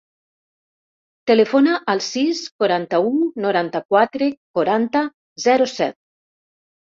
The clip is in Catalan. Telefona al sis, quaranta-u, noranta-quatre, quaranta, zero, set.